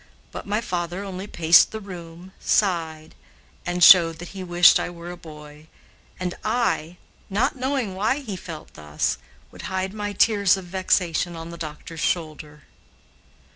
But my father only paced the room, sighed, and showed that he wished I were a boy; and I, not knowing why he felt thus, would hide my tears of vexation on the doctor's shoulder.